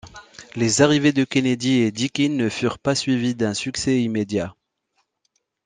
Les arrivées de Kennedy et Deakin ne furent pas suivis d’un succès immédiat.